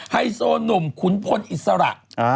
ไฮโซหนุ่มขุนพลอิสระ